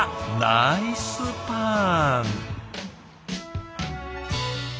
ナイスパン。